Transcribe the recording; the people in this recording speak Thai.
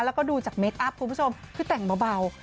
แล้วก็ดูจากเมคอัพคุณผู้ชมคือแต่งเบา